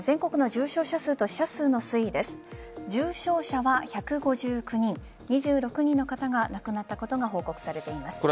重症者は１５９人２６人の方が亡くなったことが報告されています。